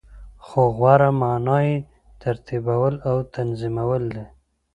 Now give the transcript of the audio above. خو غوره معنا یی ترتیبول او تنظیمول دی .